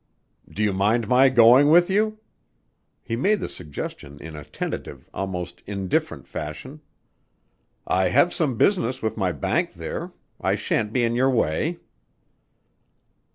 "Do you mind my going with you?" He made the suggestion in a tentative, almost indifferent fashion. "I have some business with my bank there. I sha'n't be in your way."